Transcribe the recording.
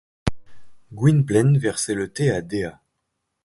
Gwynplaine versait le thé à Dea.